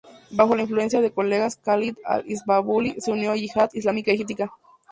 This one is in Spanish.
Bajo la influencia de colegas, Khalid al-Islambouli se unió a la Yihad Islámica egipcia.